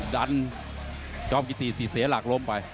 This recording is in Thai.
ดันกรมกิตีสีเสรียหลากลมไป